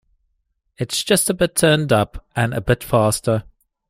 It's just a bit turned up and a bit faster.